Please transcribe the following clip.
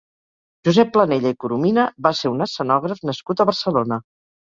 Josep Planella i Coromina va ser un escenògraf nascut a Barcelona.